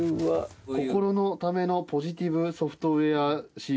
「心のためのポジティブ・ソフトウェアＣＤ」。